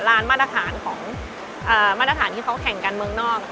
ร้านมาตรฐานที่เขาแข่งกันเมืองนอก